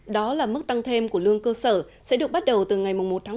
bảy ba mươi tám đó là mức tăng thêm của lương cơ sở sẽ được bắt đầu từ ngày một tháng